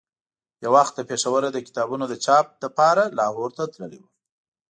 یو وخت له پېښوره د کتابونو د چاپ لپاره لاهور ته تللی وم.